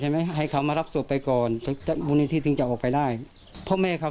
ได้ประมาณเท่าไหร่ครับ